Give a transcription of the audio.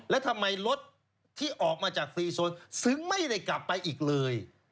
แล้วทำไมรถที่ออกมาจากฟรีโซนถึงไม่ได้กลับไปอีกเลย